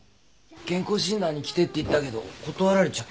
健康診断に来てって言ったけど断られちゃった。